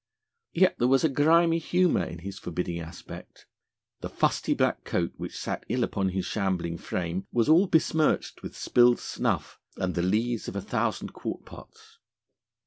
Yet there was a grimy humour in his forbidding aspect. The fusty black coat, which sat ill upon his shambling frame, was all besmirched with spilled snuff, and the lees of a thousand quart pots.